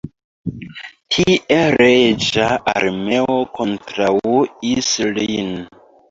Tie reĝa armeo kontraŭis lin.